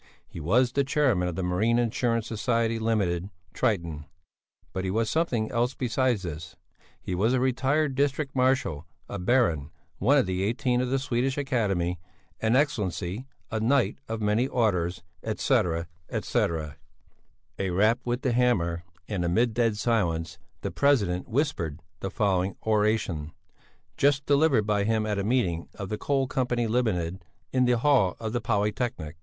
He was the chairman of the Marine Insurance Society Limited "Triton," but he was something else beside this. He was a retired district marshal, a baron, one of the eighteen of the Swedish Academy, an Excellency, a knight of many orders, etc. etc. A rap with the hammer and amid dead silence the president whispered the following oration: just delivered by him at a meeting of the Coal Company Limited, in the hall of the Polytechnic.